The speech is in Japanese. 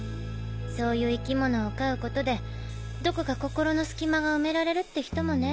そういう生き物を飼うことでどこか心のすき間が埋められるって人もね。